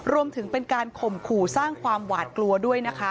รวมถึงเป็นการข่มขู่สร้างความหวาดกลัวด้วยนะคะ